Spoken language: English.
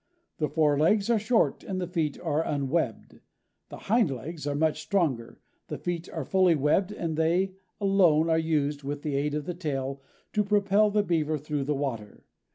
The fore legs are short and the feet are unwebbed. The hind legs are much stronger, the feet are fully webbed and they, alone, are used, with the aid of the tail, to propel the Beaver through the water.